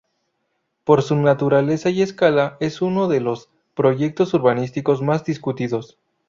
Por su naturaleza y escala es en uno de los proyectos urbanísticos más discutidos.